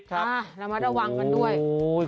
ครับเรามาระวังกันด้วย